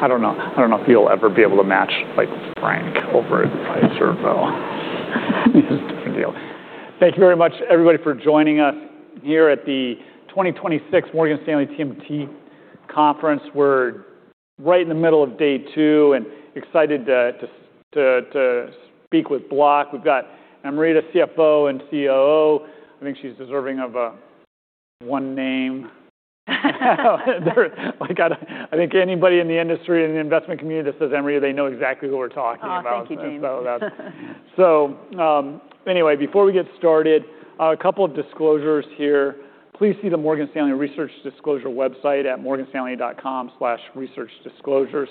I don't know, I don't know if you'll ever be able to match like Frank over at Pfizer, though. He's a different deal. Thank you very much, everybody for joining us here at the 2026 Morgan Stanley TMT Conference. We're right in the middle of day two and excited to speak with Block. We've got Amrita, CFO and COO. I think she's deserving of one name. I think anybody in the industry, in the investment community that says Amrita, they know exactly who we're talking about. Oh, thank you, James. That's... Anyway, before we get started, a couple of disclosures here. Please see the Morgan Stanley research disclosure website at morganstanley.com/researchdisclosures.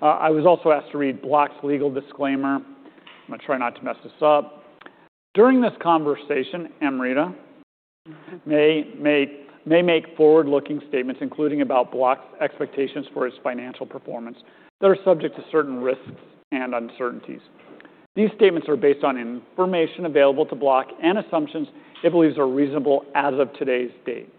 I was also asked to read Block's legal disclaimer. I'm gonna try not to mess this up. During this conversation, Amrita may make forward-looking statements, including about Block's expectations for its financial performance that are subject to certain risks and uncertainties. These statements are based on information available to Block and assumptions it believes are reasonable as of today's date.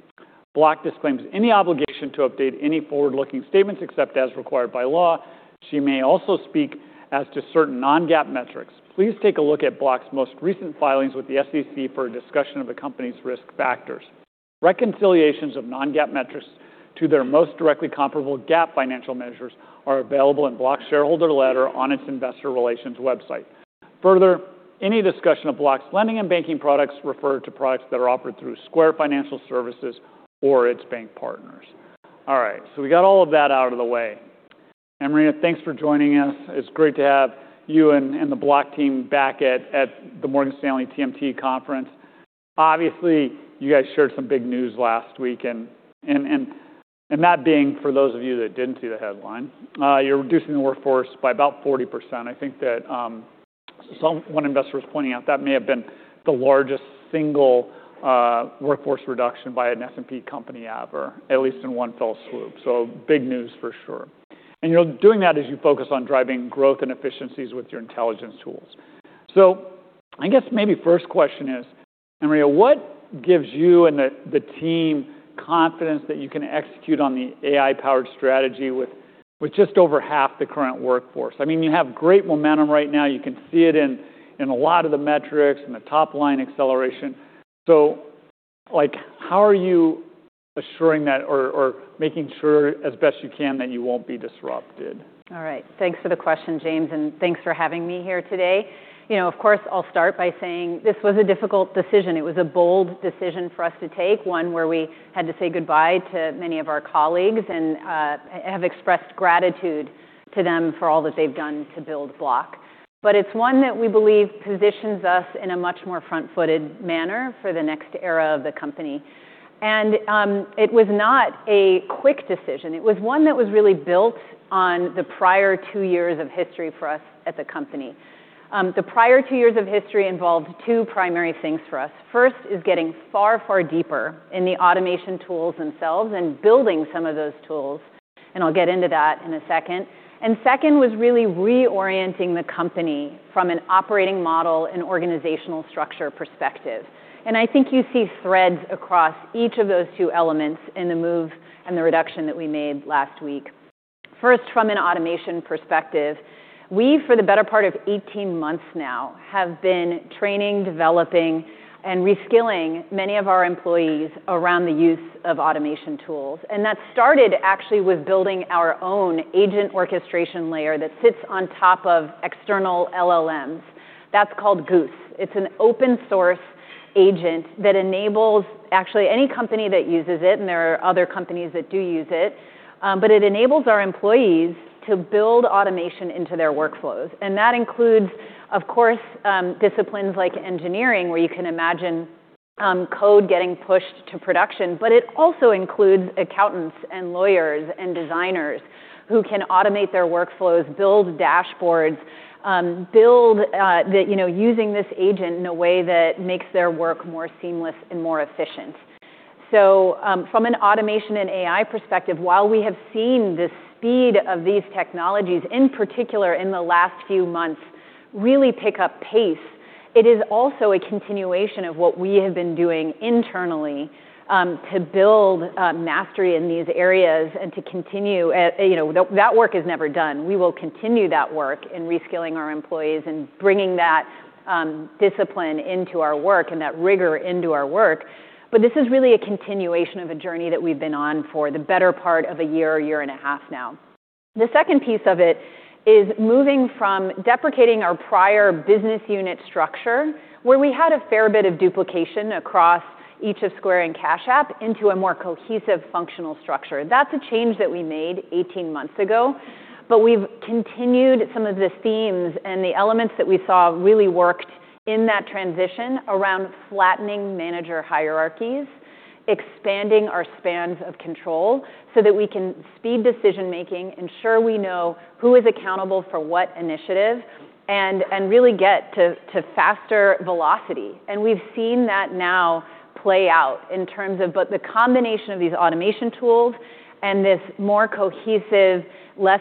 Block disclaims any obligation to update any forward-looking statements except as required by law. She may also speak as to certain non-GAAP metrics. Please take a look at Block's most recent filings with the SEC for a discussion of the company's risk factors. Reconciliations of non-GAAP metrics to their most directly comparable GAAP financial measures are available in Block shareholder letter on its investor relations website. Further, any discussion of Block's lending and banking products refer to products that are offered through Square Financial Services or its bank partners. All right, we got all of that out of the way. Amrita, thanks for joining us. It's great to have you and the Block team back at the Morgan Stanley TMT Conference. Obviously, you guys shared some big news last week and that being for those of you that didn't see the headline, you're reducing the workforce by about 40%. I think that one investor was pointing out that may have been the largest single workforce reduction by an S&P company ever, at least in one fell swoop. Big news for sure. You're doing that as you focus on driving growth and efficiencies with your intelligence tools. I guess maybe first question is, Amrita, what gives you and the team confidence that you can execute on the AI-powered strategy with just over half the current workforce? I mean, you have great momentum right now. You can see it in a lot of the metrics and the top-line acceleration. Like, how are you assuring that or making sure as best you can that you won't be disrupted? All right. Thanks for the question, James, and thanks for having me here today. You know, of course, I'll start by saying this was a difficult decision. It was a bold decision for us to take, one where we had to say goodbye to many of our colleagues and have expressed gratitude to them for all that they've done to build Block. It's one that we believe positions us in a much more front-footed manner for the next era of the company. It was not a quick decision. It was one that was really built on the prior two years of history for us at the company. The prior two years of history involved two primary things for us. First is getting far, far deeper in the automation tools themselves and building some of those tools, and I'll get into that in a second. Second was really reorienting the company from an operating model and organizational structure perspective. I think you see threads across each of those two elements in the move and the reduction that we made last week. First, from an automation perspective, we, for the better part of 18 months now, have been training, developing, and reskilling many of our employees around the use of automation tools. That started actually with building our own agent orchestration layer that sits on top of external LLMs. That's called Goose. It's an open source agent that enables actually any company that uses it, and there are other companies that do use it, but it enables our employees to build automation into their workflows. That includes, of course, disciplines like engineering, where you can imagine code getting pushed to production, but it also includes accountants and lawyers and designers who can automate their workflows, build dashboards, build, you know, using this agent in a way that makes their work more seamless and more efficient. From an automation and AI perspective, while we have seen the speed of these technologies, in particular in the last few months, really pick up pace, it is also a continuation of what we have been doing internally to build mastery in these areas and to continue, you know, that work is never done. We will continue that work in reskilling our employees and bringing that discipline into our work and that rigor into our work. This is really a continuation of a journey that we've been on for the better part of a year and a half now. The second piece of it is moving from deprecating our prior business unit structure, where we had a fair bit of duplication across each of Square and Cash App into a more cohesive functional structure. That's a change that we made 18 months ago, but we've continued some of the themes and the elements that we saw really worked in that transition around flattening manager hierarchies, expanding our spans of control so that we can speed decision-making, ensure we know who is accountable for what initiative, and really get to faster velocity. We've seen that now play out in terms of both the combination of these automation tools and this more cohesive, less,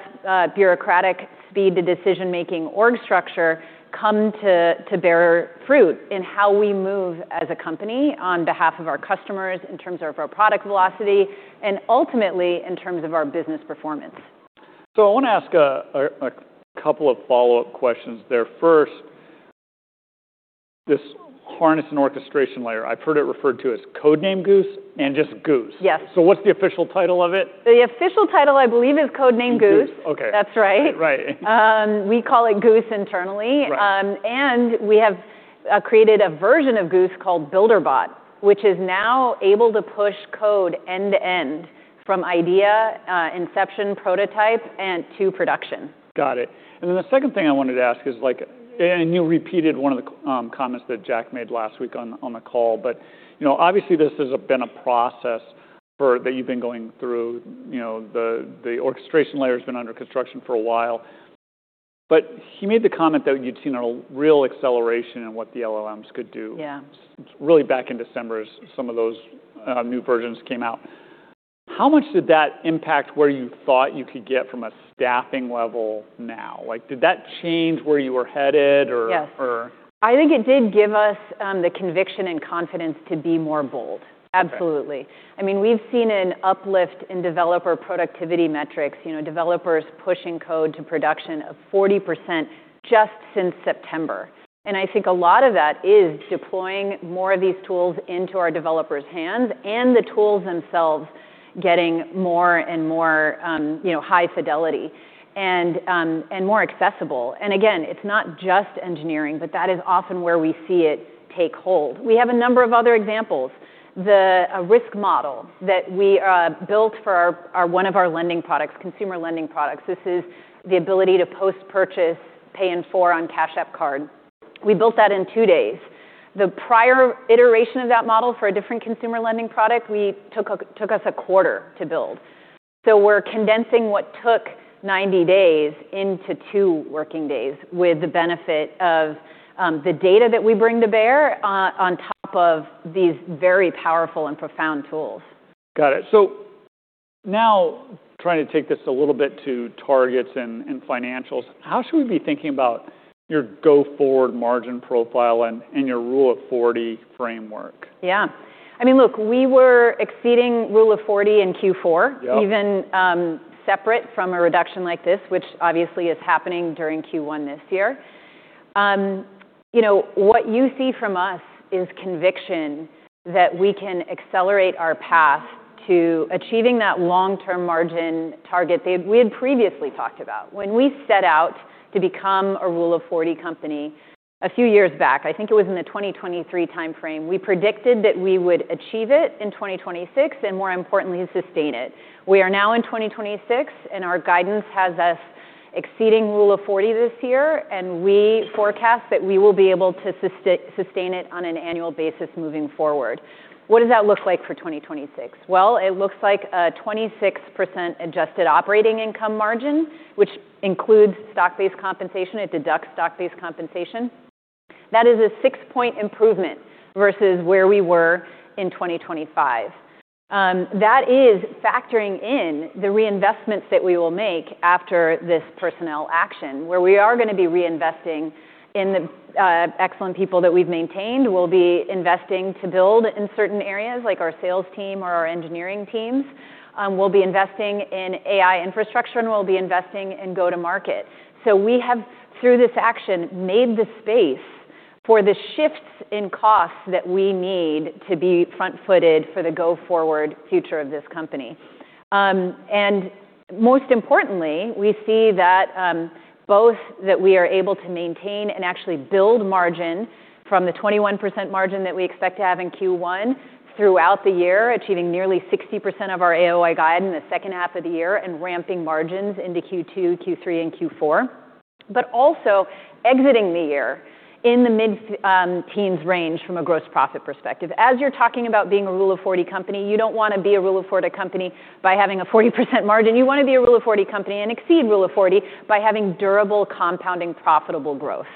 bureaucratic speed to decision-making org structure come to bear fruit in how we move as a company on behalf of our customers in terms of our product velocity and ultimately in terms of our business performance. I wanna ask a couple of follow-up questions there. First, this harness and orchestration layer, I've heard it referred to as Codename Goose and just Goose. Yes. What's the official title of it? The official title, I believe, is codename goose. Goose. Okay. That's right. Right. We call it Goose internally. Right. We have created a version of Goose called BuilderBot, which is now able to push code end-to-end from idea, inception, prototype, and to production. Got it. Then the second thing I wanted to ask is, and you repeated one of the comments that Jack made last week on the call, you know, obviously this has been a process that you've been going through. You know, the orchestration layer's been under construction for a while. He made the comment that you'd seen a real acceleration in what the LLMs could do. Yeah ...really back in December as some of those new versions came out. How much did that impact where you thought you could get from a staffing level now? Like, did that change where you were headed? Yes ...or? I think it did give us the conviction and confidence to be more bold. Okay. Absolutely. I mean, we've seen an uplift in developer productivity metrics, you know, developers pushing code to production of 40% just since September. I think a lot of that is deploying more of these tools into our developers' hands and the tools themselves getting more and more, you know, high fidelity and more accessible. Again, it's not just engineering, but that is often where we see it take hold. We have a number of other examples. The risk model that we built for our one of our lending products, consumer lending products. This is the ability to post-purchase, Pay in 4 on Cash App Card. We built that in two days. The prior iteration of that model for a different consumer lending product, we took us a quarter to build. we're condensing what took 90 days into 2 working days with the benefit of, the data that we bring to bear on top of these very powerful and profound tools. Got it. Now trying to take this a little bit to targets and financials, how should we be thinking about your go-forward margin profile and your Rule of 40 framework? Yeah. I mean, look, we were exceeding Rule of 40 in Q4... Yep ...even, separate from a reduction like this, which obviously is happening during Q1 this year. You know, what you see from us is conviction that we can accelerate our path to achieving that long-term margin target that we had previously talked about. When we set out to become a Rule of 40 company a few years back, I think it was in the 2023 timeframe, we predicted that we would achieve it in 2026, and more importantly, sustain it. We are now in 2026, and our guidance has us exceeding Rule of 40 this year, and we forecast that we will be able to sustain it on an annual basis moving forward. What does that look like for 2026? Well, it looks like a 26% Adjusted Operating Income margin, which includes stock-based compensation. It deducts stock-based compensation. That is a 6-point improvement versus where we were in 2025. That is factoring in the reinvestments that we will make after this personnel action, where we are gonna be reinvesting in the excellent people that we've maintained. We'll be investing to build in certain areas like our sales team or our engineering teams. We'll be investing in AI infrastructure, and we'll be investing in go-to-market. We have, through this action, made the space for the shifts in costs that we need to be front-footed for the go-forward future of this company. Most importantly, we see that both that we are able to maintain and actually build margin from the 21% margin that we expect to have in Q1 throughout the year, achieving nearly 60% of our AOI guide in the second half of the year and ramping margins into Q2, Q3, and Q4. Also exiting the year in the mid-teens range from a gross profit perspective. As you're talking about being a Rule of 40 company, you don't wanna be a Rule of 40 company by having a 40% margin. You wanna be a Rule of 40 company and exceed Rule of 40 by having durable, compounding, profitable growth.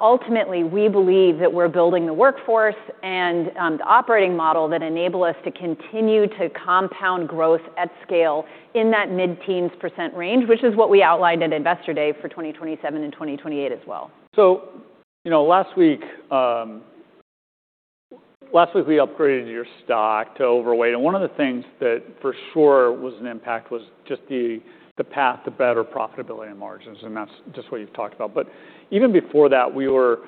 Ultimately, we believe that we're building the workforce and the operating model that enable us to continue to compound growth at scale in that mid-teens % range, which is what we outlined at Investor Day for 2027 and 2028 as well. you know, last week we upgraded your stock to overweight, and one of the things that for sure was an impact was just the path to better profitability and margins, and that's just what you've talked about. Even before that, we were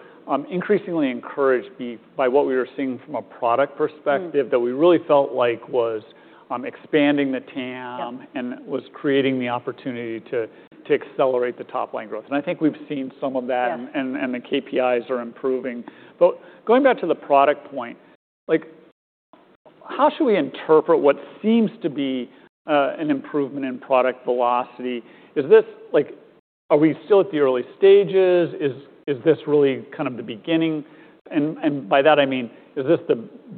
increasingly encouraged by what we were seeing from a product perspective. Mm that we really felt like was expanding the TAM. Yep ...and was creating the opportunity to accelerate the top-line growth. I think we've seen some of that. Yeah ...and the KPIs are improving. Going back to the product point, like, how should we interpret what seems to be an improvement in product velocity? Is this, are we still at the early stages? Is this really kind of the beginning? By that I mean, is this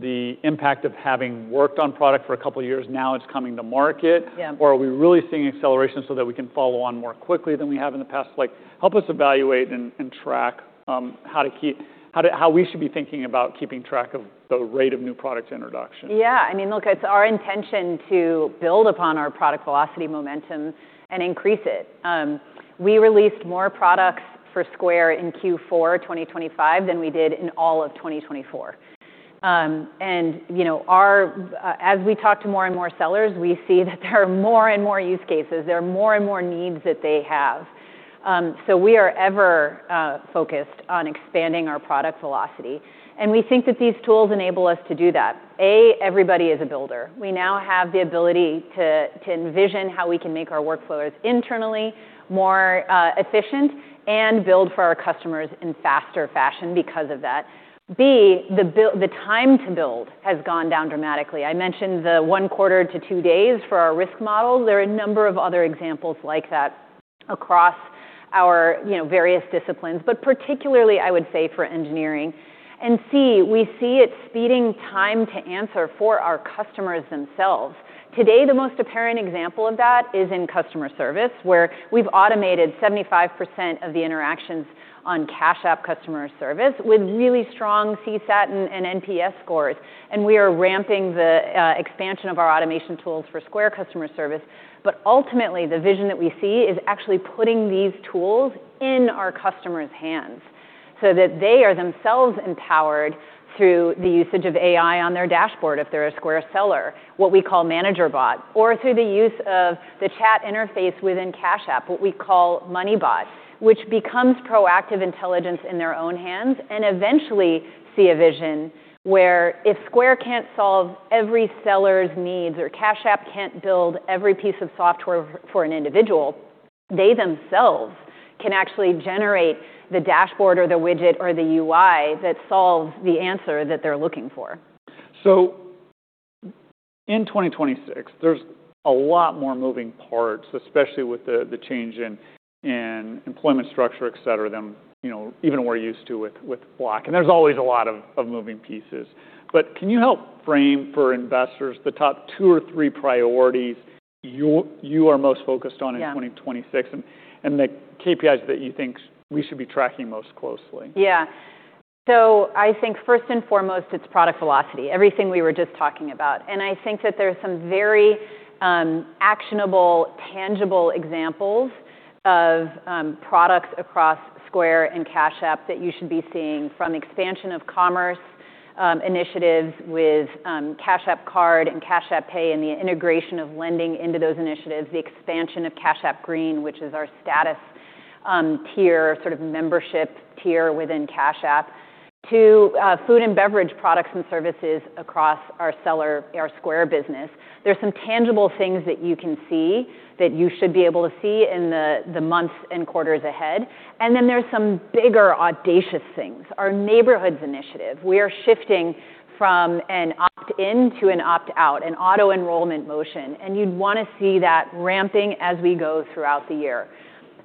the impact of having worked on product for a couple of years, now it's coming to market? Yeah. Are we really seeing acceleration so that we can follow on more quickly than we have in the past? Like, help us evaluate and track, how we should be thinking about keeping track of the rate of new product introduction. Yeah. I mean, look, it's our intention to build upon our product velocity momentum and increase it. We released more products for Square in Q4 2025 than we did in all of 2024. You know, our, as we talk to more and more sellers, we see that there are more and more use cases, there are more and more needs that they have. We are ever focused on expanding our product velocity, and we think that these tools enable us to do that. A. Everybody is a builder. We now have the ability to envision how we can make our workflows internally more efficient and build for our customers in faster fashion because of that. B. The time to build has gone down dramatically. I mentioned the Q1 to 2 days for our risk models. There are a number of other examples like that across our, you know, various disciplines, but particularly I would say for engineering. We see it speeding time to answer for our customers themselves. Today, the most apparent example of that is in customer service, where we've automated 75% of the interactions on Cash App customer service with really strong CSAT and NPS scores. We are ramping the expansion of our automation tools for Square customer service. Ultimately, the vision that we see is actually putting these tools in our customers' hands so that they are themselves empowered through the usage of AI on their dashboard if they're a Square seller, what we call ManagerBot, or through the use of the chat interface within Cash App, what we call MoneyBot, which becomes proactive intelligence in their own hands, and eventually see a vision where if Square can't solve every seller's needs or Cash App can't build every piece of software for an individual, they themselves can actually generate the dashboard or the widget or the UI that solves the answer that they're looking for. In 2026, there's a lot more moving parts, especially with the change in employment structure, et cetera, than, you know, even we're used to with Block, and there's always a lot of moving pieces. Can you help frame for investors the top 2 or 3 priorities you are most focused on in 2026 and the KPIs that you think we should be tracking most closely? I think first and foremost, it's product velocity, everything we were just talking about. I think that there's some very actionable, tangible examples of products across Square and Cash App that you should be seeing from expansion of commerce initiatives with Cash App Card and Cash App Pay and the integration of lending into those initiatives, the expansion of Cash App Green, which is our status tier sort of membership tier within Cash App, to food and beverage products and services across our Square business. There's some tangible things that you can see that you should be able to see in the months and quarters ahead. Then there's some bigger audacious things. Our Neighborhoods initiative, we are shifting from an opt-in to an opt-out, an auto-enrollment motion, and you'd wanna see that ramping as we go throughout the year.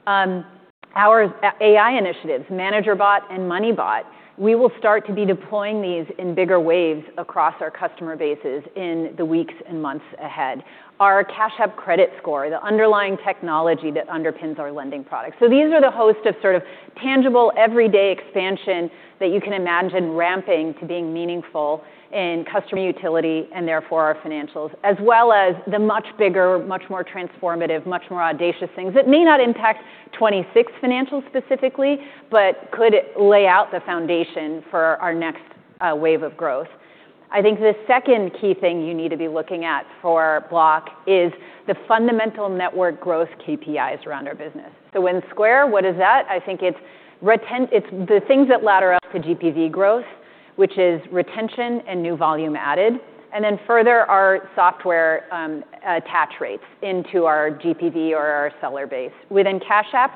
Our AI initiatives, Manager Bot and Money Bot, we will start to be deploying these in bigger waves across our customer bases in the weeks and months ahead. Our Cash App credit score, the underlying technology that underpins our lending products. These are the host of sort of tangible everyday expansion that you can imagine ramping to being meaningful in customer utility and therefore our financials, as well as the much bigger, much more transformative, much more audacious things that may not impact 26 financials specifically, but could lay out the foundation for our next wave of growth. I think the second key thing you need to be looking at for Block is the fundamental network growth KPIs around our business. In Square, what is that? I think it's the things that ladder up to GPV growth, which is retention and new volume added, and then further our software attach rates into our GPV or our seller base. Within Cash App,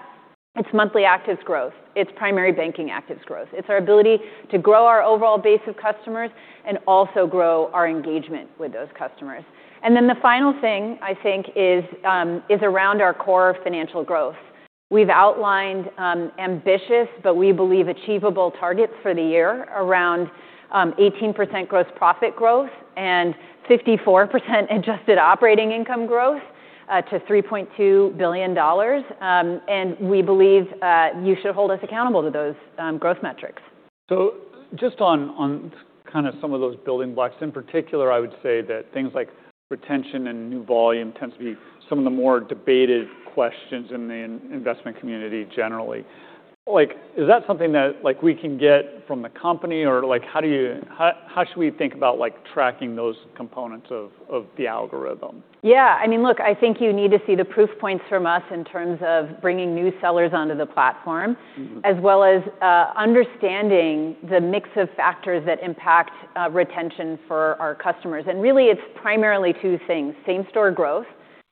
it's monthly actives growth, it's primary banking actives growth. It's our ability to grow our overall base of customers and also grow our engagement with those customers. The final thing I think is around our core financial growth. We've outlined ambitious but we believe achievable targets for the year around 18% gross profit growth and 54% Adjusted Operating Income growth to $3.2 billion. We believe you should hold us accountable to those growth metrics. Just on kind of some of those building blocks, in particular, I would say that things like retention and new volume tends to be some of the more debated questions in the investment community generally. Like, is that something that, like, we can get from the company? Or like, how should we think about, like, tracking those components of the algorithm? Yeah. I mean, look, I think you need to see the proof points from us in terms of bringing new sellers onto the platform. Mm-hmm... as well as, understanding the mix of factors that impact retention for our customers. Really, it's primarily two things: same-store growth,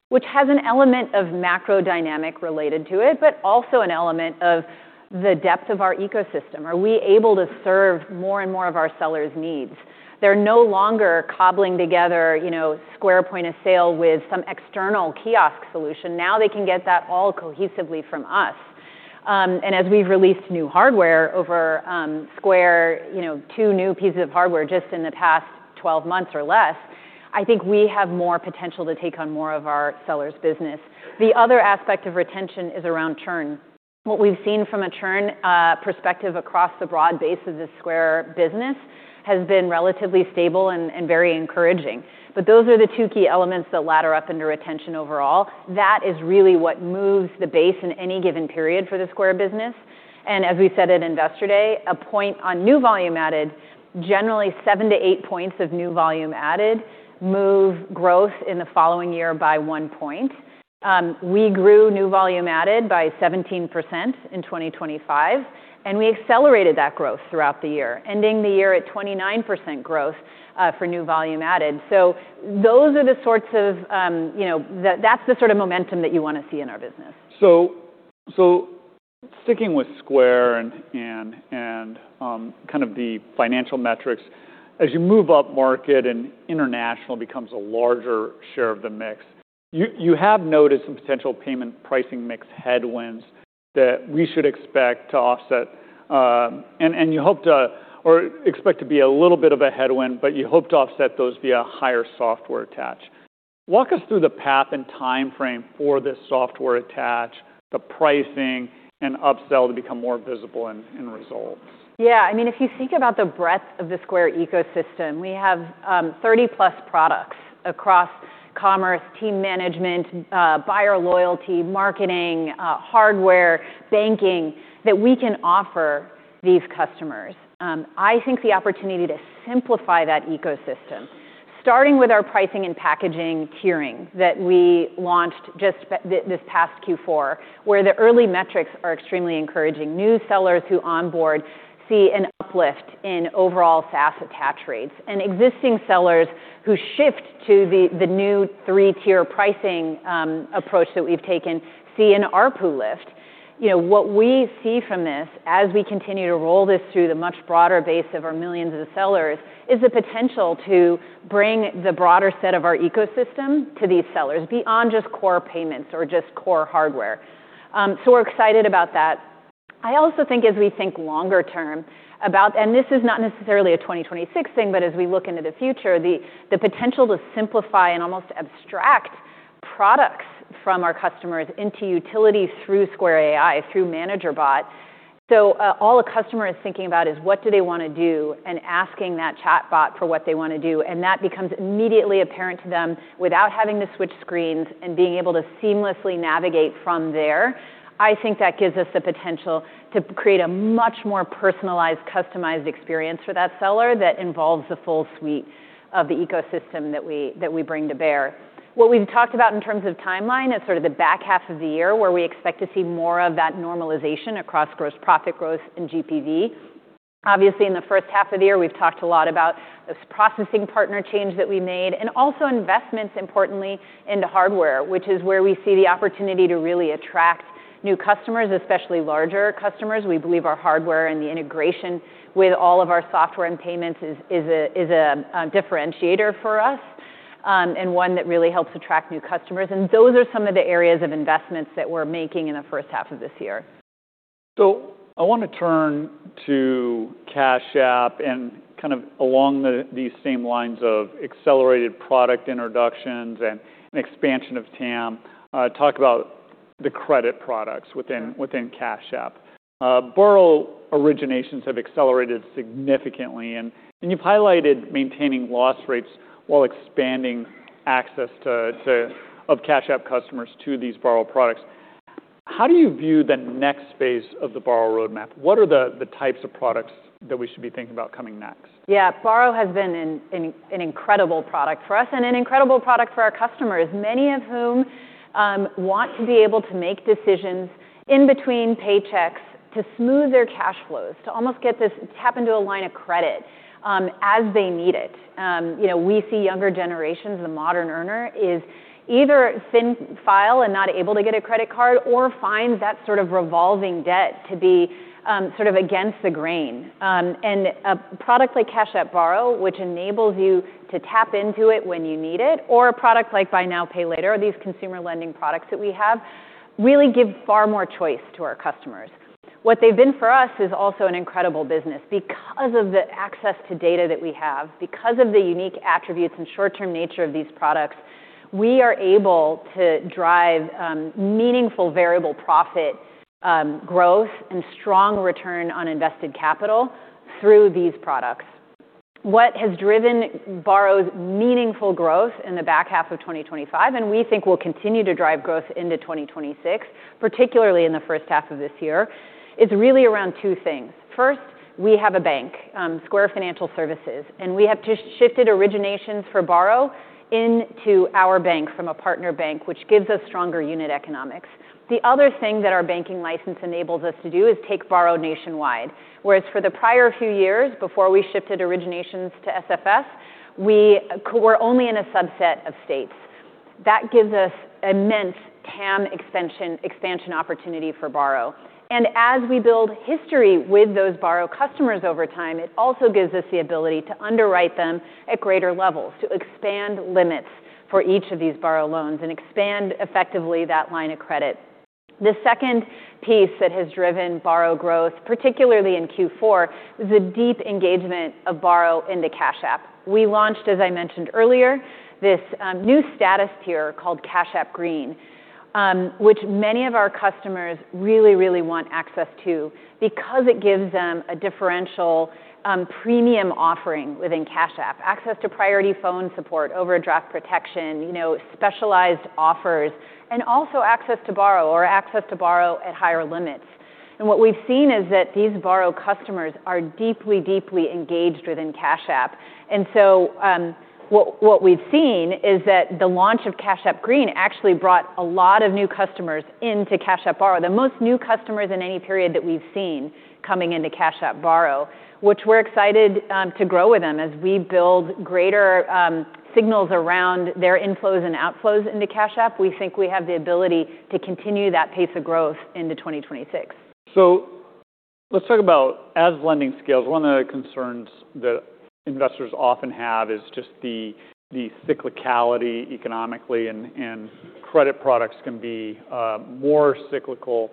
which has an element of macro dynamic related to it, but also an element of the depth of our ecosystem. Are we able to serve more and more of our sellers' needs? They're no longer cobbling together, you know, Square point of sale with some external kiosk solution. Now they can get that all cohesively from us. As we've released new hardware over Square, you know, two new pieces of hardware just in the past 12 months or less, I think we have more potential to take on more of our sellers' business. The other aspect of retention is around churn. What we've seen from a churn perspective across the broad base of the Square business has been relatively stable and very encouraging. Those are the two key elements that ladder up under retention overall. That is really what moves the base in any given period for the Square business. As we said at Investor Day, a point on new volume added, generally 7-8 points of new volume added move growth in the following year by 1 point. We grew new volume added by 17% in 2025, and we accelerated that growth throughout the year, ending the year at 29% growth for new volume added. Those are the sorts of, you know, that's the sort of momentum that you wanna see in our business. Sticking with Square and kind of the financial metrics, as you move upmarket and international becomes a larger share of the mix, you have noticed some potential payment pricing mix headwinds that we should expect to offset, and you hope to or expect to be a little bit of a headwind, but you hope to offset those via higher software attach. Walk us through the path and timeframe for this software attach, the pricing and upsell to become more visible in results? Yeah, I mean, if you think about the breadth of the Square ecosystem, we have 30-plus products across commerce, team management, buyer loyalty, marketing, hardware, banking that we can offer these customers. I think the opportunity to simplify that ecosystem, starting with our pricing and packaging tiering that we launched just this past Q4, where the early metrics are extremely encouraging. New sellers who onboard see an uplift in overall SaaS attach rates, and existing sellers who shift to the new 3-tier pricing approach that we've taken see an ARPU lift. You know, what we see from this as we continue to roll this through the much broader base of our millions of sellers is the potential to bring the broader set of our ecosystem to these sellers beyond just core payments or just core hardware. We're excited about that. I also think as we think longer term about, and this is not necessarily a 2026 thing, but as we look into the future, the potential to simplify and almost abstract products from our customers into utilities through Square AI, through Manager Bot. All a customer is thinking about is what do they wanna do and asking that chatbot for what they wanna do, and that becomes immediately apparent to them without having to switch screens and being able to seamlessly navigate from there. I think that gives us the potential to create a much more personalized, customized experience for that seller that involves the full suite of the ecosystem that we bring to bear. What we've talked about in terms of timeline is sort of the back half of the year where we expect to see more of that normalization across gross profit growth and GPV. Obviously, in the first half of the year, we've talked a lot about this processing partner change that we made and also investments, importantly, into hardware, which is where we see the opportunity to really attract new customers, especially larger customers. We believe our hardware and the integration with all of our software and payments is a differentiator for us, and one that really helps attract new customers. Those are some of the areas of investments that we're making in the first half of this year. I wanna turn to Cash App and kind of along these same lines of accelerated product introductions and expansion of TAM, talk about the credit products within Cash App. Borrow originations have accelerated significantly, and you've highlighted maintaining loss rates while expanding access to Cash App customers to these Borrow products. How do you view the next phase of the Borrow roadmap? What are the types of products that we should be thinking about coming next? Yeah. Borrow has been an incredible product for us and an incredible product for our customers, many of whom want to be able to make decisions in between paychecks to smooth their cash flows, to almost get this tap into a line of credit as they need it. You know, we see younger generations, the modern earner is either thin file and not able to get a credit card or find that sort of revolving debt to be sort of against the grain. A product like Cash App Borrow, which enables you to tap into it when you need it, or a product like Buy Now, Pay Later, or these consumer lending products that we have really give far more choice to our customers. What they've been for us is also an incredible business. Because of the access to data that we have, because of the unique attributes and short-term nature of these products, we are able to drive meaningful variable profit growth and strong Return on Invested Capital through these products. What has driven Borrow's meaningful growth in the back half of 2025, and we think will continue to drive growth into 2026, particularly in the first half of this year, is really around two things. First, we have a bank, Square Financial Services, and we have just shifted originations for Borrow into our bank from a partner bank, which gives us stronger unit economics. The other thing that our banking license enables us to do is take Borrow nationwide. Whereas for the prior few years before we shifted originations to SFS, we were only in a subset of states. That gives us immense TAM extension expansion opportunity for Borrow. As we build history with those Borrow customers over time, it also gives us the ability to underwrite them at greater levels, to expand limits for each of these Borrow loans and expand effectively that line of credit. The second piece that has driven Borrow growth, particularly in Q4, is a deep engagement of Borrow into Cash App. We launched, as I mentioned earlier, this new status tier called Cash App Green, which many of our customers really want access to because it gives them a differential premium offering within Cash App, access to priority phone support, overdraft protection, you know, specialized offers, and also access to Borrow or access to Borrow at higher limits. What we've seen is that these Borrow customers are deeply engaged within Cash App. What we've seen is that the launch of Cash App Green actually brought a lot of new customers into Cash App Borrow, the most new customers in any period that we've seen coming into Cash App Borrow, which we're excited to grow with them as we build greater signals around their inflows and outflows into Cash App. We think we have the ability to continue that pace of growth into 2026. Let's talk about as lending scales, one of the concerns that investors often have is just the cyclicality economically and credit products can be more cyclical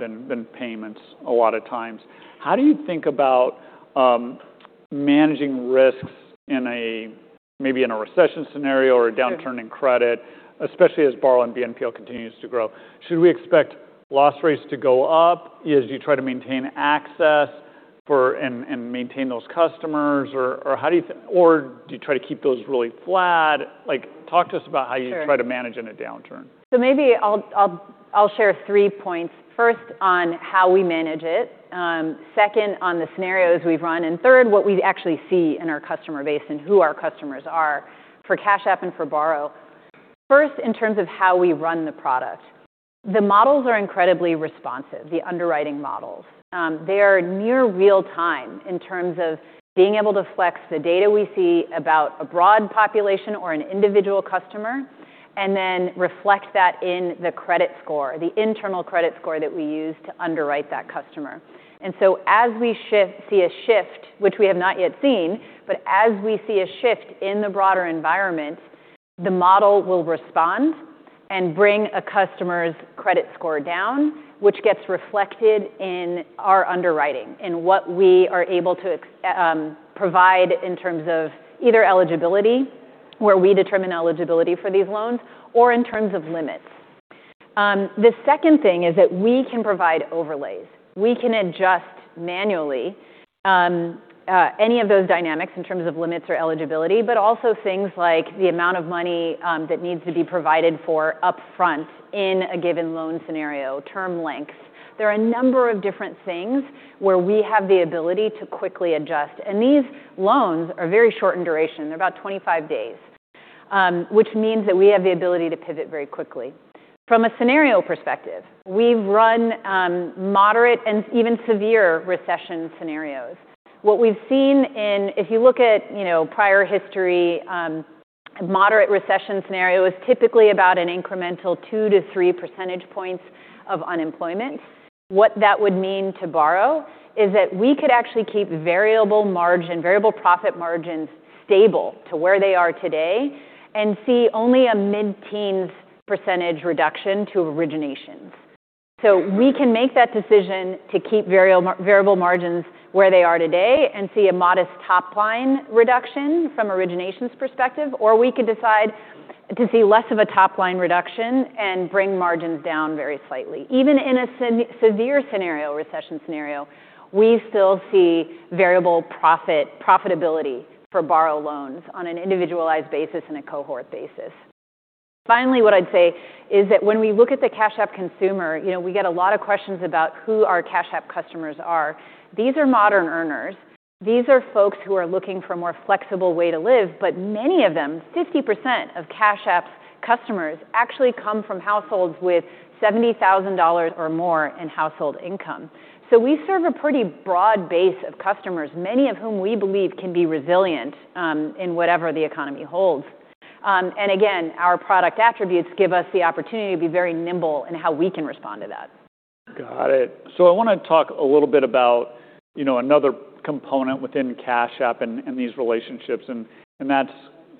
than payments a lot of times. How do you think about managing risks in a, maybe in a recession scenario or a downturn in credit, especially as Borrow and BNPL continues to grow? Should we expect loss rates to go up as you try to maintain access for and maintain those customers? Or how do you try to keep those really flat? Like, talk to us about how you try to manage in a downturn. maybe I'll share three points. First, on how we manage it, second, on the scenarios we've run, third, what we actually see in our customer base and who our customers are for Cash App and for Borrow. First, in terms of how we run the product, the models are incredibly responsive, the underwriting models. They are near real-time in terms of being able to flex the data we see about a broad population or an individual customer and then reflect that in the credit score, the internal credit score that we use to underwrite that customer. As we shift, see a shift, which we have not yet seen, but as we see a shift in the broader environment, the model will respond and bring a customer's credit score down, which gets reflected in our underwriting and what we are able to provide in terms of either eligibility, where we determine eligibility for these loans, or in terms of limits. The second thing is that we can provide overlays. We can adjust manually any of those dynamics in terms of limits or eligibility, but also things like the amount of money that needs to be provided for upfront in a given loan scenario, term lengths. There are a number of different things where we have the ability to quickly adjust. These loans are very short in duration. They're about 25 days, which means that we have the ability to pivot very quickly. From a scenario perspective, we've run moderate and even severe recession scenarios. What we've seen in, if you look at, you know, prior history, moderate recession scenario is typically about an incremental 2-3 percentage points of unemployment. What that would mean to Borrow is that we could actually keep variable profit margins stable to where they are today and see only a mid-teens percentage reduction to originations. We can make that decision to keep variable margins where they are today and see a modest top-line reduction from originations perspective, or we could decide to see less of a top-line reduction and bring margins down very slightly. Even in a severe scenario, recession scenario, we still see variable profitability for Borrow loans on an individualized basis and a cohort basis. Finally, what I'd say is that when we look at the Cash App consumer, you know, we get a lot of questions about who our Cash App customers are. These are modern earners. These are folks who are looking for a more flexible way to live, but many of them, 50% of Cash App's customers actually come from households with $70,000 or more in household income. We serve a pretty broad base of customers, many of whom we believe can be resilient in whatever the economy holds. Again, our product attributes give us the opportunity to be very nimble in how we can respond to that. Got it. I want to talk a little bit about, you know, another component within Cash App and these relationships, and that's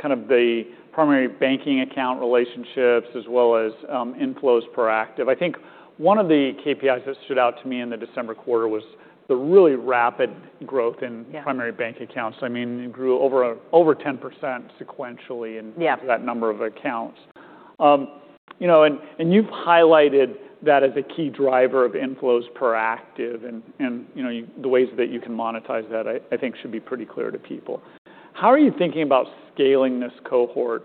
kind of the primary banking account relationships as well as inflows per active. I think one of the KPIs that stood out to me in the December quarter was the really rapid growth in- Yeah... primary bank accounts. I mean, it grew over 10% sequentially. Yeah that number of accounts. You know, and you've highlighted that as a key driver of inflows per active and, you know, the ways that you can monetize that I think should be pretty clear to people. How are you thinking about scaling this cohort?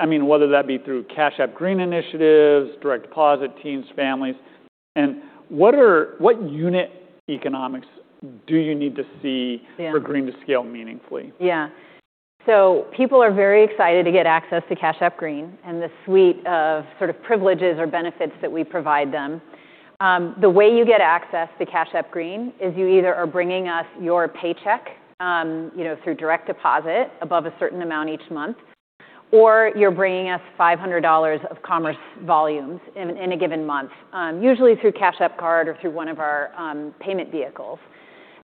I mean, whether that be through Cash App Green initiatives, direct deposit, teens, families, and what unit economics do you need to see- Yeah for Green to scale meaningfully? Yeah. People are very excited to get access to Cash App Green and the suite of sort of privileges or benefits that we provide them. The way you get access to Cash App Green is you either are bringing us your paycheck, you know, through direct deposit above a certain amount each month, or you're bringing us $500 of commerce volumes in a given month, usually through Cash App Card or through one of our payment vehicles.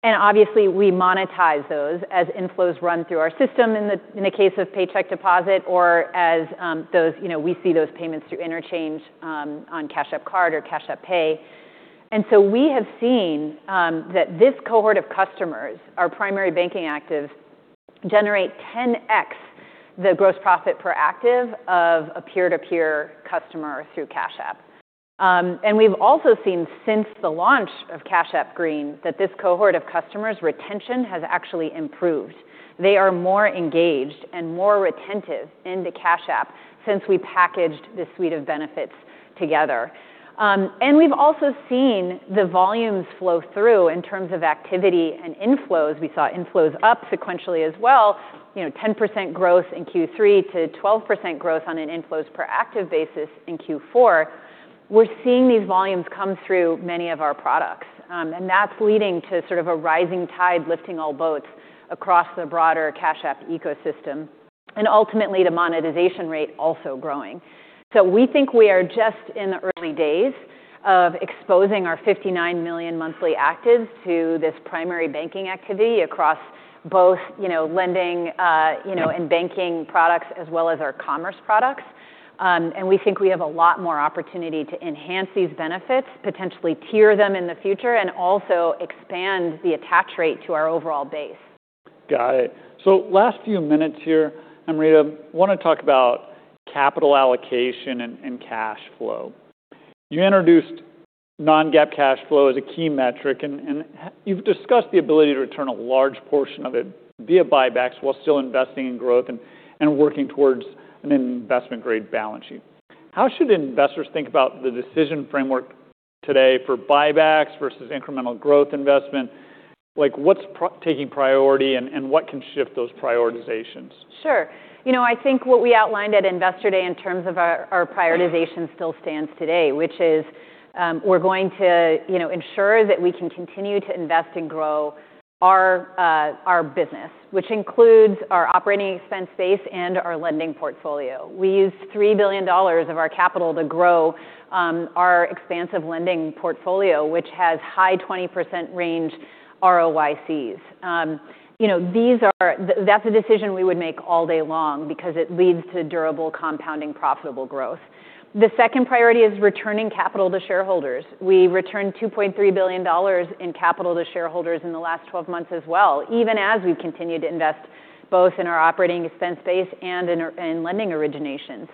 Obviously, we monetize those as inflows run through our system in the, in the case of paycheck deposit or as those, you know, we see those payments through interchange on Cash App Card or Cash App Pay. We have seen that this cohort of customers are primary banking actives generate 10x the gross profit per active of a peer-to-peer customer through Cash App. We've also seen since the launch of Cash App Green that this cohort of customers' retention has actually improved. They are more engaged and more retentive into Cash App since we packaged this suite of benefits together. We've also seen the volumes flow through in terms of activity and inflows. We saw inflows up sequentially as well, you know, 10% growth in Q3 to 12% growth on an inflows per active basis in Q4. We're seeing these volumes come through many of our products, and that's leading to sort of a rising tide lifting all boats across the broader Cash App ecosystem, and ultimately the monetization rate also growing. We think we are just in the early days of exposing our 59 million monthly actives to this primary banking activity across both, you know, lending, you know, and banking products as well as our commerce products. We think we have a lot more opportunity to enhance these benefits, potentially tier them in the future, and also expand the attach rate to our overall base. Got it. Last few minutes here, Amrita. I wanna talk about capital allocation and cash flow. You introduced non-GAAP cash flow as a key metric and you've discussed the ability to return a large portion of it via buybacks while still investing in growth and working towards an investment-grade balance sheet. How should investors think about the decision framework today for buybacks versus incremental growth investment? Like, what's taking priority and what can shift those prioritizations? Sure. You know, I think what we outlined at Investor Day in terms of our prioritization still stands today, which is, we're going to, you know, ensure that we can continue to invest and grow our business, which includes our operating expense base and our lending portfolio. We used $3 billion of our capital to grow our expansive lending portfolio, which has high 20% range ROICs. You know, that's a decision we would make all day long because it leads to durable compounding profitable growth. The second priority is returning capital to shareholders. We returned $2.3 billion in capital to shareholders in the last 12 months as well, even as we've continued to invest both in our operating expense base and in our lending originations.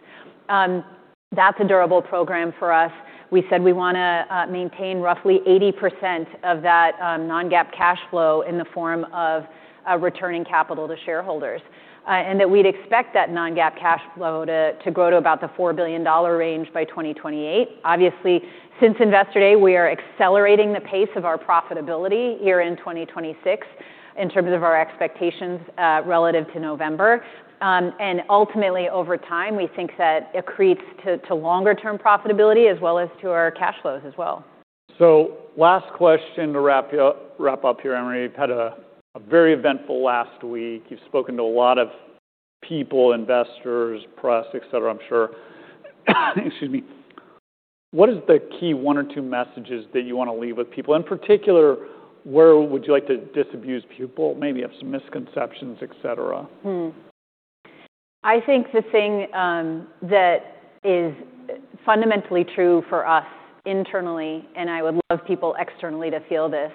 That's a durable program for us. We said we wanna maintain roughly 80% of that non-GAAP cash flow in the form of returning capital to shareholders, and that we'd expect that non-GAAP cash flow to grow to about the $4 billion range by 2028. Obviously, since Investor Day, we are accelerating the pace of our profitability year-end 2026 in terms of our expectations relative to November. Ultimately, over time, we think that it creates to longer term profitability as well as to our cash flows as well. Last question to wrap up here, Amrita. You've had a very eventful last week. You've spoken to a lot of people, investors, press, et cetera, I'm sure. Excuse me. What is the key 1 or 2 messages that you wanna leave with people? In particular, where would you like to disabuse people, maybe of some misconceptions, et cetera? I think the thing that is fundamentally true for us internally, and I would love people externally to feel this,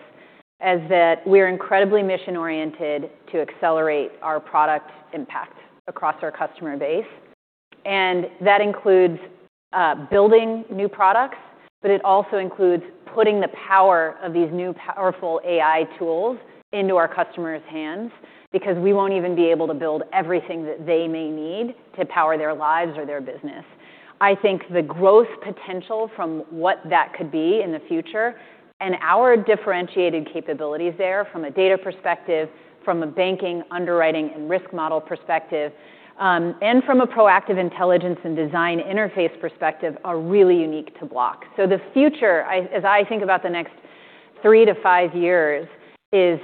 is that we're incredibly mission-oriented to accelerate our product impact across our customer base. That includes building new products, but it also includes putting the power of these new powerful AI tools into our customers' hands because we won't even be able to build everything that they may need to power their lives or their business. I think the growth potential from what that could be in the future and our differentiated capabilities there from a data perspective, from a banking, underwriting, and risk model perspective, and from a proactive intelligence and design interface perspective are really unique to Block. The future, I, as I think about the next 3 to 5 years is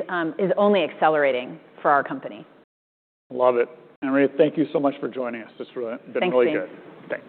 only accelerating for our company. Love it. Amrita, thank you so much for joining us. It's really been really good. Thanks.